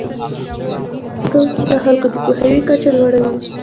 د بانک کارکوونکي د خلکو د پوهاوي کچه لوړوي.